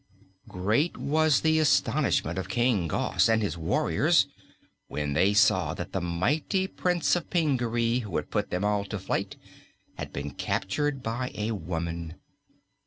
Great was the astonishment of King Gos and his warriors when they saw that the mighty Prince of Pingaree, who had put them all to flight, had been captured by a woman.